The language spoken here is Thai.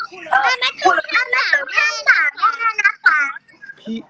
เอาน้ำโฟเอาน้ำโฟ